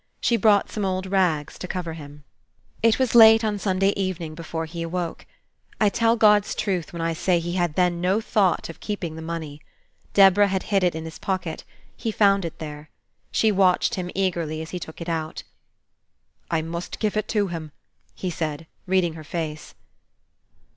She brought some old rags to cover him. It was late on Sunday evening before he awoke. I tell God's truth, when I say he had then no thought of keeping this money. Deborah had hid it in his pocket. He found it there. She watched him eagerly, as he took it out. "I must gif it to him," he said, reading her face.